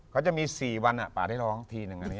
เขาจะมี๔วันอะป่าได้ร้องทีนึงอันนี้